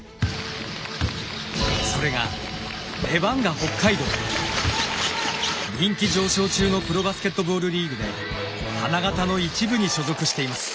それが人気上昇中のプロバスケットボールリーグで花形の１部に所属しています。